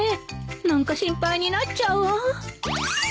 何か心配になっちゃうわ